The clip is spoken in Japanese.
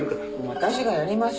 私がやります。